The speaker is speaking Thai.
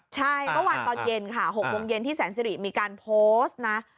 ใช่เมื่อวานตอนเย็นค่ะ๖โมงเย็นที่แสนสิริมีการโพสต์นะ